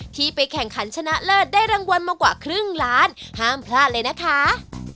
ที่ไปแข่งขันชนะเลิศได้รางวัลมากว่าครึ่งล้านห้ามพลาดเลยนะคะ